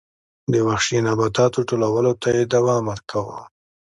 د وحشي نباتاتو ټولولو ته یې دوام ورکاوه